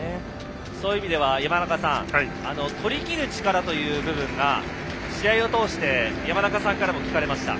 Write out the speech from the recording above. そういう意味では山中さんとりきる力という部分が試合を通して山中さんからも聞かれました。